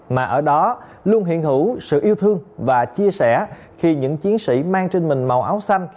mà ở đó luôn hiện hữu sự yêu thương và chia sẻ khi những chiến sĩ mang trên mình màu áo xanh